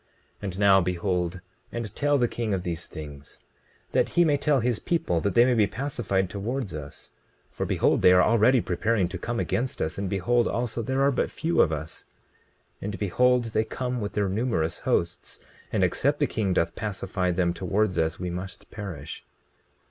20:19 And now, behold, and tell the king of these things, that he may tell his people that they may be pacified towards us; for behold they are already preparing to come against us; and behold also there are but few of us. 20:20 And behold, they come with their numerous hosts; and except the king doth pacify them towards us we must perish.